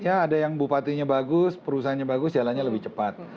ada yang bupatinya bagus perusahaannya bagus jalannya lebih cepat